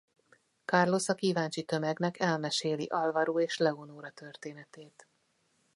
Carlos a kíváncsi tömegnek elmeséli Alvaro és Leonora történetét.